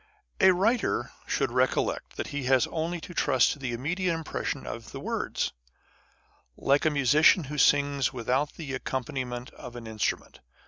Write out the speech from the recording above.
A writer should recollect that he has only to trust to the immediate impression of words, like a musician who sings without the accompaniment of an in strument.